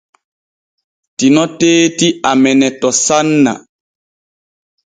Tino teeti amene to sanna.